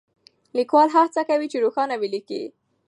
ليکوال هڅه کوي چې روښانه وليکي.